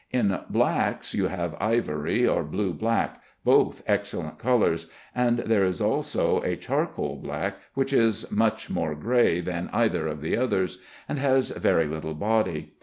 In blacks, you have ivory or blue black, both excellent colors, and there is also a charcoal black which is much more gray than either of the others, and has very little body.